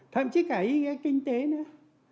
thậm chí cả ý nghĩa kinh tế nữa